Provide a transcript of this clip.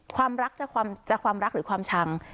ความรักจะความรักหรือความชัง